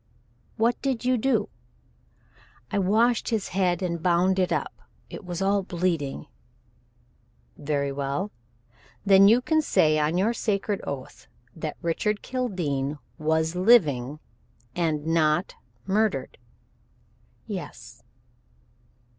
"What did you do?" "I washed his head and bound it up. It was all bleeding." "Very well. Then you can say on your sacred oath that Richard Kildene was living and not murdered?" "Yes."